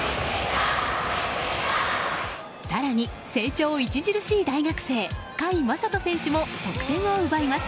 更に、成長著しい大学生甲斐優斗選手も得点を奪います。